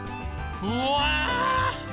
うわ！